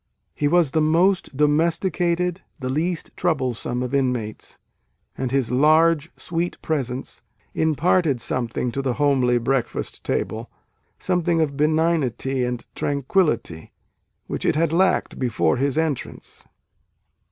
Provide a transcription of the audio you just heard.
He was the most domesticated, least troublesome of inmates, and his " large sweet presence " imparted something to the homely breakfast table, something of benignity and tranquillity, which it had lacked before his entrance.